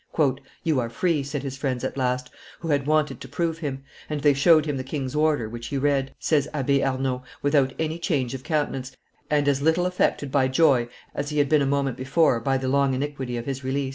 "You are free," said his friends at last, who had wanted to prove him; "and they showed him the king's order, which he read," says Abbe Arnauld, "without any change of countenance, and as little affected by joy as he had been a moment before by the longinquity of his release."